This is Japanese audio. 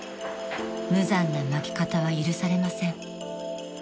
［無残な負け方は許されません］